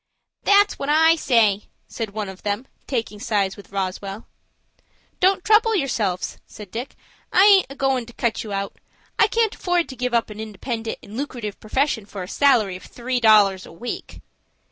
"That's what I say," said one of them, taking sides with Roswell. "Don't trouble yourselves," said Dick. "I aint agoin' to cut you out. I can't afford to give up a independent and loocrative purfession for a salary of three dollars a week."